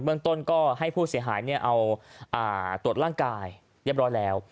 เมืองต้นก็ให้ผู้เสียหายเอาตรวจร่างกายเรียบร้อยแล้ว